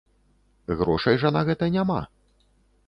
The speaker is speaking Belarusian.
Грошай жа на гэта няма.